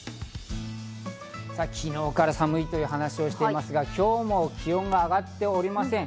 昨日から寒いという話をしてますが、今日も気温が上がっておりません。